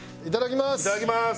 いただきます！